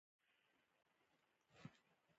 تیوسینټ د جوارو مور بوټی بلل کېږي